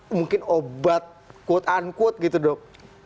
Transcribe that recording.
mungkin obat quote unquote gitu dok